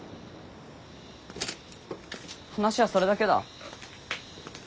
話はそれだけだ。